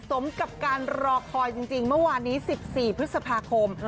สมกับการรอคอยจริงเมื่อวานนี้๑๔พฤษภาคม